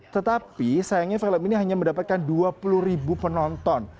tetapi sayangnya film ini hanya mendapatkan dua puluh ribu penonton